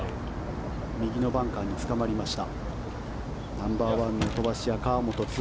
右のバンカーにつかまりました。